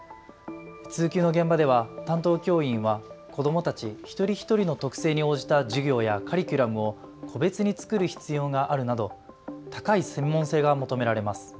通級の現場では担当教員は子どもたち一人一人の特性に応じた授業やカリキュラムを個別に作る必要があるなど高い専門性が求められます。